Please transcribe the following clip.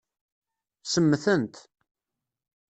Semmtent.